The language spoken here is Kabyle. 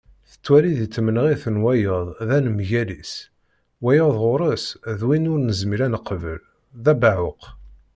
Tettwali deg tmenɣiwt n wayeḍ d anemgal-is: wayeḍ ɣur-s, d win ur nezmir ad neqbel, d abeɛɛuq.